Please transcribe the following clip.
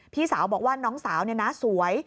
พี่สาวบอกว่าน้องสาวสวย